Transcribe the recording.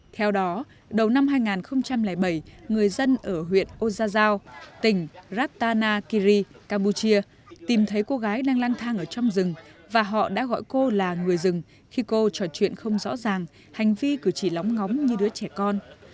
theo đó đầu năm hai nghìn bảy người dân ở huyện osao tỉnh ratana kiri campuchia tìm thấy cô gái đang lang thang ở trong rừng và họ đã gọi cô là người rừng khi cô trò chuyện không rõ ràng hành vi cử chỉ lóng ngóng như đứa trẻ con